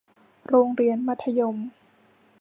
โรงเรียนมัธยม